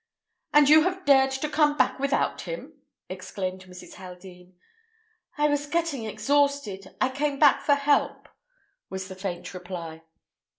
"And you have dared to come back without him?" exclaimed Mrs. Haldean. "I was getting exhausted. I came back for help," was the faint reply.